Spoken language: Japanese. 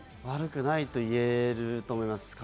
悪くないと言えると思います。